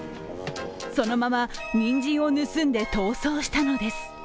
そのままにんじんを盗んで逃走したのです。